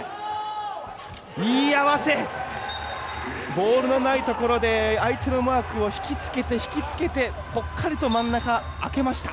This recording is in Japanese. ボールのないところで相手のマークを引き付けてぽっかりと真ん中、空けました。